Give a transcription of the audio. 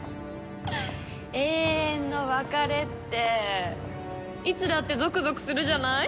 永遠の別れっていつだってゾクゾクするじゃない？